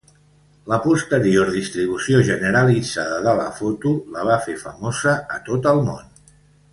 La posterior distribució generalitzada de la foto la va fer famosa a tot el món.